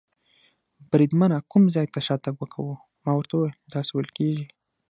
بریدمنه، کوم ځای ته شاتګ کوو؟ ما ورته وویل: داسې وېل کېږي.